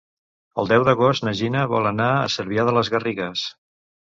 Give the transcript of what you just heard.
El deu d'agost na Gina vol anar a Cervià de les Garrigues.